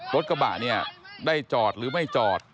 รถกระบะเนี่ยได้จอดหรือไม่จอด